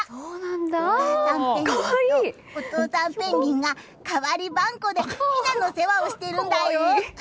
お母さんペンギンとお父さんペンギンが代わりばんこでひなの世話をしているんだよ。